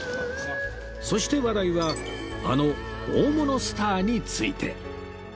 そして話題はあの大物スターについて